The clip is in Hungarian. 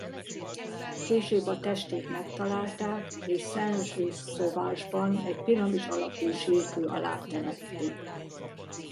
Később a testét megtalálták és Saint-Just-Sauvage-ban egy piramis alakú sírkő alá temették.